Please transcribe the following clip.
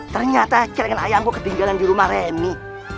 ternyata celingan ayamku ketinggalan di rumah remi